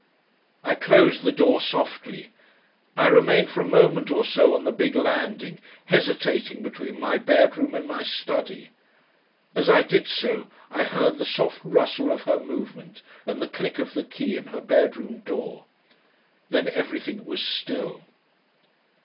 I closed the door softly. I remained for a moment or so on the big landing, hesitating between my bedroom and my study. As I did so I heard the soft rustle of her movement and the click of the key in her bedroom door. Then everything was still....